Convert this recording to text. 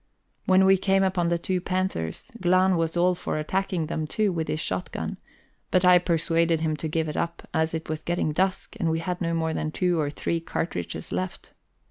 When we came upon the two panthers, Glahn was all for attacking them too with his shot gun, but I persuaded him to give it up, as it was getting dusk, and we had no more than two or three cartridges left.